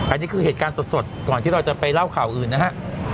อันนี้คือเหตุการณ์สดก่อนที่เราจะไปเล่าข่าวอื่นนะฮะ